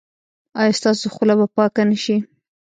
ایا ستاسو خوله به پاکه نه شي؟